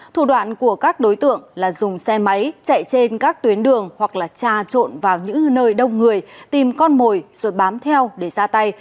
thủ đoạn của các đối tượng là dùng xe máy chạy trên các tuyến đường hoặc là trà trộn vào những nơi đông người tìm con mồi rồi bám theo để ra tay